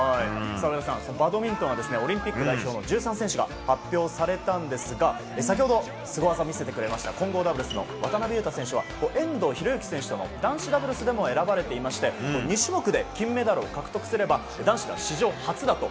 バドミントンはオリンピック代表の１３選手が発表されたんですが先ほどスゴ技を見せてくれた渡辺勇大選手は遠藤選手と男子ダブルスでも選ばれていまして２種目で金メダルを獲得すれば男子が史上初だと。